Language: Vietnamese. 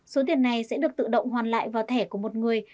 số tiền này sẽ được tự động hoàn lại vào thẻ của một người